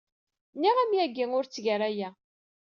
Nniɣ-am yagi ur tteg ara aya.